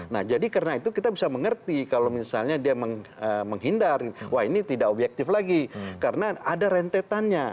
nah jadi karena itu kita bisa mengerti kalau misalnya dia menghindar wah ini tidak objektif lagi karena ada rentetannya